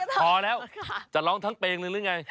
พอแล้วจะร้องทั้งเพลงหนึ่งหรือไง